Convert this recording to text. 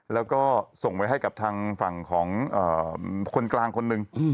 แล้วก็ส่งไว้ให้กับทางฝั่งของคนกลางคนหนึ่ง